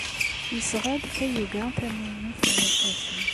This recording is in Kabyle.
Yesɣa-d tayuga tamaynut n yerkasen.